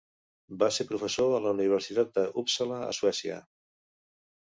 Va ser professor a la Universitat d'Uppsala, a Suècia.